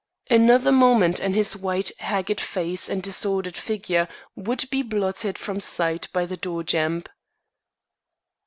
Another moment and his white, haggard face and disordered figure would be blotted from sight by the door jamb.